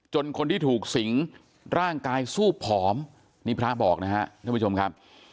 คนที่ถูกสิงร่างกายสู้ผอมนี่พระบอกนะฮะท่านผู้ชมครับ